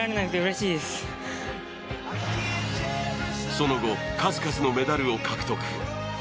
その後数々のメダルを獲得。